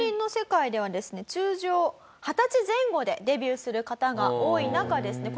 通常二十歳前後でデビューする方が多い中ですね